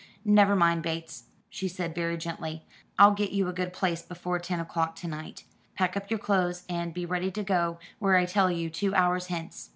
"Never mind, Bates," she said very gently; "I'll get you a good place before ten o'clock to night. Pack up your clothes, and be ready to go where I tell you two hours hence.